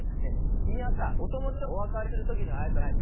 きみはさおともだちとおわかれするときのあいさつってなに？